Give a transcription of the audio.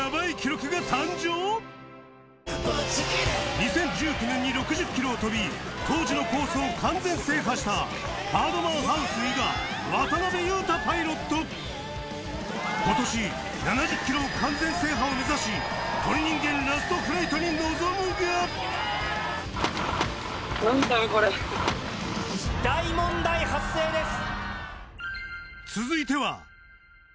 ２０１９年に６０ｋｍを飛び当時のコースを完全制覇したＢＩＲＤＭＡＮＨＯＵＳＥ伊賀ことし７０ｋｍ完全制覇を目指し鳥人間ラストフライトに臨むが大問題発生です！